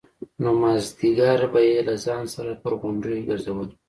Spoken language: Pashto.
نو مازديگر به يې له ځان سره پر غونډيو گرځولم.